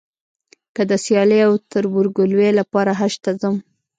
که د سیالۍ او تربورګلوۍ لپاره حج ته ځم.